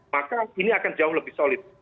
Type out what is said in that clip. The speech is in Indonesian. maka ini akan jauh lebih solid